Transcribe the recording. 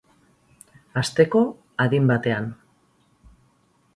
Hasteko, adin batean.